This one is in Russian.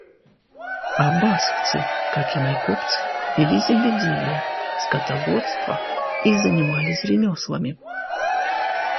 Абазхцы, как и майкопцы, вели земледелие, скотоводство и занимались ремеслами.